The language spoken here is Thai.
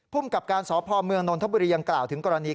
กับการสพเมืองนนทบุรียังกล่าวถึงกรณี